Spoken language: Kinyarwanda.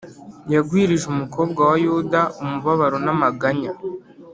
Yagwirije umukobwa wa Yuda umubabaro n’amaganya.